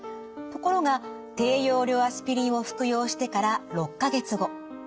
ところが低用量アスピリンを服用してから６か月後。